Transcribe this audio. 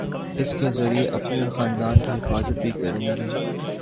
اس کے ذریعے اپنے اور خاندان کی حفاظت بھی کروں گی